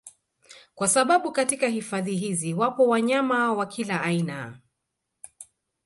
Kwa sababu katika hifadhi hizi wapo wanyama wa kila aina